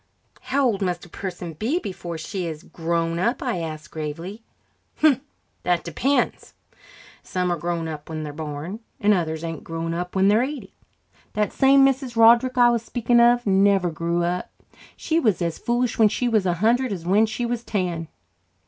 "How old must a person be before she is grown up?" I asked gravely. "Humph! That depends. Some are grown up when they're born, and others ain't grown up when they're eighty. That same Mrs. Roderick I was speaking of never grew up. She was as foolish when she was a hundred as when she was ten."